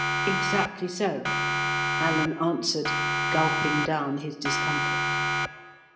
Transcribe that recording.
"Exactly so," Alan answered, gulping down his discomfort.